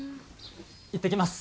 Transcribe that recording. いってきます。